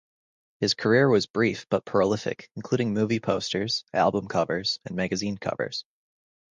His career was brief but prolific, including movie posters, album covers, and magazine covers.